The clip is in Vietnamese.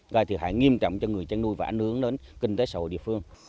và thì hại nghiêm trọng cho người chăn nuôi và ảnh hưởng đến kinh tế sổ địa phương